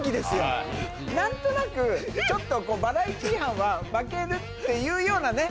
何となくちょっとバラエティー班は負けるっていうようなね。